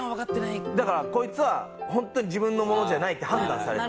だからこいつはホントに自分のものじゃないって判断されて。